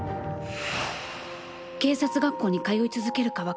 警察学校に通い続けるか分かりません。